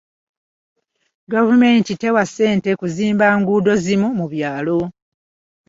Gavumenti tewaayo ssente kuzimba nguudo zimu mu byalo